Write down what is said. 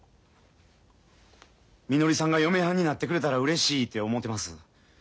みのりさんが嫁はんになってくれたらうれしいて思てます。